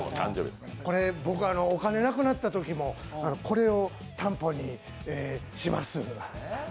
これ、僕がお金なくなったときもこれを担保にします。